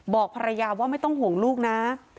บอกภรรยาว่าไม่ต้องห่วงลูกนะ